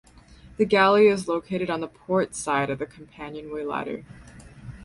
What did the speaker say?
The galley is located on the port side at the companionway ladder.